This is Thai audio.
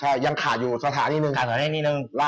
หลาสุดยังขาดอยู่สถานนี้หนึ่ง